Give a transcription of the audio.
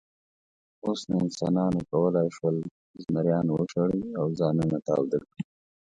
اوس نو انسانانو کولی شول، زمریان وشړي او ځانونه تاوده کړي.